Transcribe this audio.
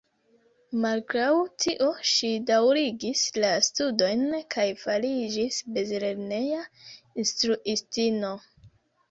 Malgraŭ tio, ŝi daŭrigis la studojn kaj fariĝis bazlerneja instruistino.